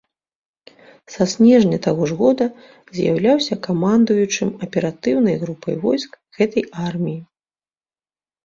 Са снежня таго ж года з'яўляўся камандуючым аператыўнай групай войск гэтай арміі.